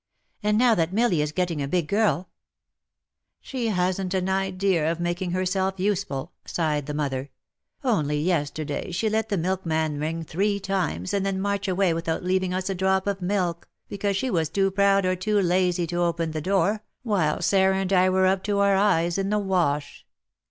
And now that Milly is getting a big girl "" She hasn^t an idea of making herself usefuV'' sighed the mother ;" only yesterday she let the milkman ring three times and then march away without leaving us a drop of milk^ because she was too proud or too lazy to open the door, while Sarah and I were up to our eyes in the wash.'''